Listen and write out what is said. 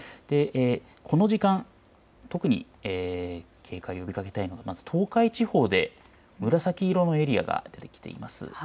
この時間、特に警戒を呼びかけたいのが東海地方で紫色のエリアができています。